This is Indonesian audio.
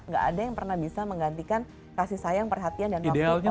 nggak ada yang pernah bisa menggantikan kasih sayang perhatian dan waktu orang tua